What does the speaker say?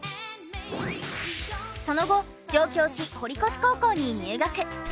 その後上京し堀越高校に入学。